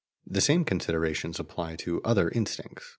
The same considerations apply to other instincts.